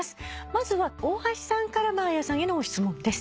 まずは大橋さんから真彩さんへの質問です。